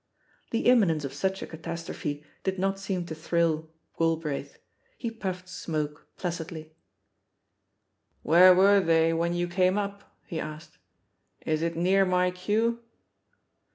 The imminence of such a catastrophe did not seem to thrill Galbraith; he puffed smoke placidly. "Where were they when you came up?" he asked. "Is it near my cue?"